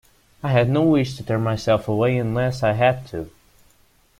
I had no wish to tear myself away unless I had to.